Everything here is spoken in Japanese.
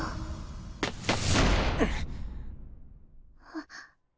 あっ。